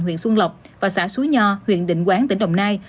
huyện xuân lộc và xã suối nho huyện định quán tỉnh đồng nai